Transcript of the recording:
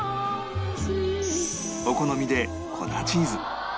お好みで粉チーズ